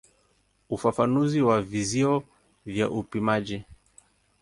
Ufafanuzi wa vizio vya upimaji.